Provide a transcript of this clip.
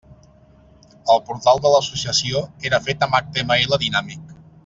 El portal de l'Associació era fet amb HTML dinàmic.